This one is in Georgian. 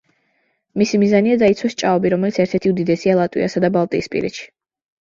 მისი მიზანია დაიცვას ჭაობი, რომელიც ერთ-ერთი უდიდესია ლატვიასა და ბალტიისპირეთში.